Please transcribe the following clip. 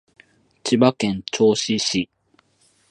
千葉県銚子市